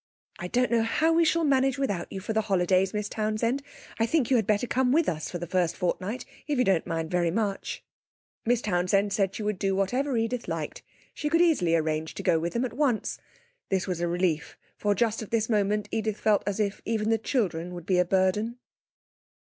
'I don't know how we shall manage without you for the holidays, Miss Townsend. I think you had better come with us for the first fortnight, if you don't mind much.' Miss Townsend said she would do whatever Edith liked. She could easily arrange to go with them at once. This was a relief, for just at this moment Edith felt as if even the children would be a burden.